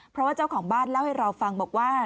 เพราะว่าเจ้าของบ้านเล่าให้เราฟังบอกว่า